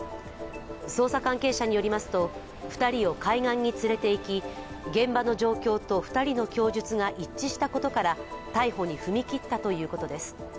捜査関係者によりますと、２人を海岸に連れていき、現場の状況と２人の供述が一致したことから逮捕に踏み切ったということです。